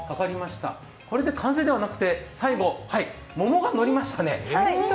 これで完成ではなくて、最後、桃がのりましたね。